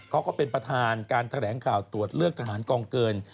ก็เป็นประธานการแถลงข่าวตรวจเลือกทหารกองเกิน